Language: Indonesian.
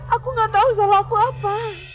aku nggak tahu salah aku apa